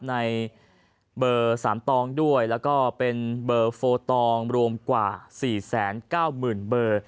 ในเบอร์๓ตองด้วยแล้วก็เป็นเบอร์โฟตองรวมกว่า๔๙๐๐๐๐เบอร์